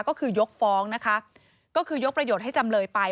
ก็คือยกฟ้องนะคะก็คือยกประโยชน์ให้จำเลยไป